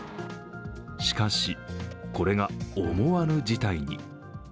しかし、これが思わぬ事態に。